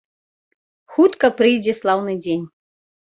Хутка прыйдзе слаўны дзень.